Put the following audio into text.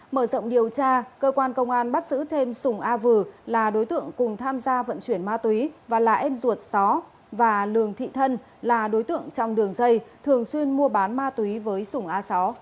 mở rộng điều tra cơ quan công an bắt giữ thêm sùng a vừ là đối tượng cùng tham gia vận chuyển ma túy và là em ruột só và lường thị thân là đối tượng trong đường dây thường xuyên mua bán ma túy với sùng a sáu